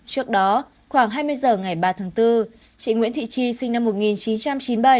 trước đó khoảng hai mươi h ngày ba tháng bốn chị nguyễn thị chi sinh năm một nghìn chín trăm chín mươi bảy